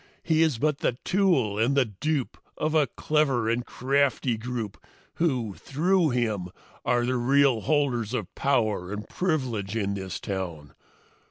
He is but the tool and the dupe of a clever and crafty group who, through him, are the real holders of power and privilege in this town.